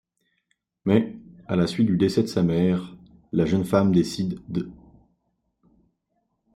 Mais, à la suite du décès de sa mère, la jeune femme décide d’.